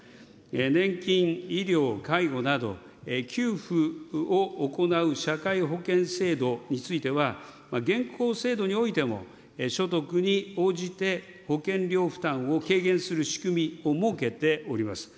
年金、医療、介護など、給付を行う社会保険制度については、現行制度においても、所得に応じて保険料負担を軽減する仕組みを設けております。